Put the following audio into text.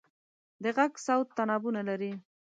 د غږ صورت تنابونه لري.